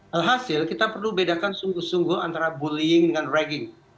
alhasil kita perlu bedakan sungguh sungguh antara bullying dengan ragging